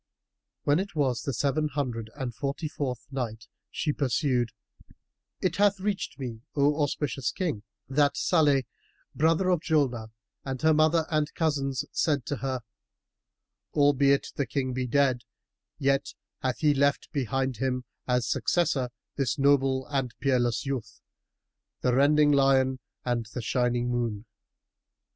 When it was the Seven Hundred and Forty fourth Night, She pursued, It hath reached me, O auspicious King, that Salih brother of Julnar and her mother and cousins said to her, "Albeit the King be dead, yet hath he left behind him as successor this noble and peerless youth, the rending lion and the shining moon."